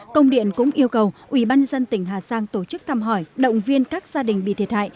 công điện cũng yêu cầu ubnd tỉnh hà giang tổ chức thăm hỏi động viên các gia đình bị thiệt hại